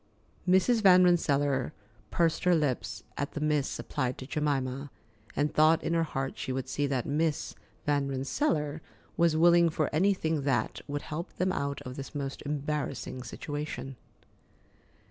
Mrs. Van Rensselaer pursed her lips at the "Miss" applied to Jemima, and thought in her heart she would see that "Miss Van Rensselaer" was willing for anything that, would help them out of this most embarrassing situation.